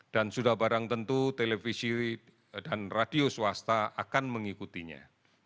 dan sudah barang tentu televisi dan radio swasta akan mengikutinya